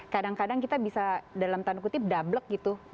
kadang kadang kita bisa dalam tanda kutip dablek gitu